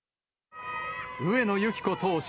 上野由岐子投手